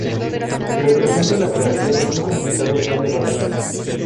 Representa la creación de un complicado plan de batalla.